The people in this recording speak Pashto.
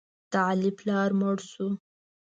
د علي پلار مړ شو.